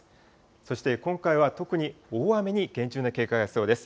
そして今回は特に大雨に厳重な警戒が必要です。